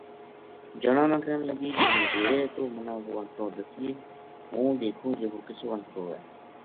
جنا نا کہن لگی جی مدیہرے توہ منا وہ انٹڑو دسینیے ہوں دیکھوں جی وہ کِسو انٹڑو ہے